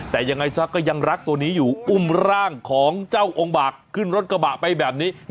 แต่ยังไงซะก็ยังรักตัวนี้อยู่อุ้มร่างของเจ้าองค์บากขึ้นรถกระบะไปแบบนี้